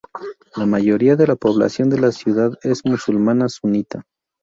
La mayoría de la población de la ciudad es musulmana sunita.